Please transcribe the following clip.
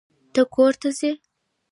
ته کور ته ځې.